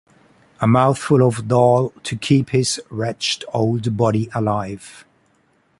A mouthful of dal to keep his wretched old body alive.